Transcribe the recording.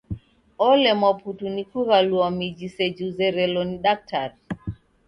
Olemwa putu ni kughalua miji seji uzerelo ni daktari.